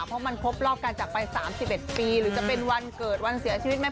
เพราะมันครบรอบการจักรไป๓๑ปีหรือจะเป็นวันเกิดวันเสียชีวิตไหม